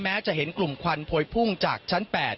จะเห็นกลุ่มควันโพยพุ่งจากชั้น๘